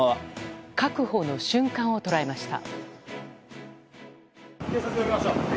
確保の瞬間を捉えました。